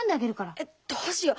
いやどうしよう。